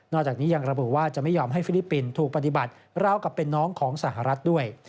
จากนี้ยังระบุว่าจะไม่ยอมให้ฟิลิปปินส์ถูกปฏิบัติราวกับเป็นน้องของสหรัฐด้วย